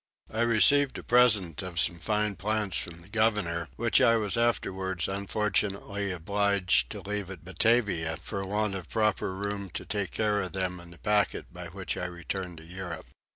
I received a present of some fine plants from the governor, which I was afterwards unfortunately obliged to leave at Batavia for want of proper room to take care of them in the packet by which I returned to Europe.